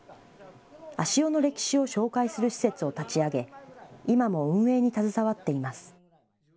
足尾の歴史を紹介する施設を立ち上げ、今も運営に携わっています。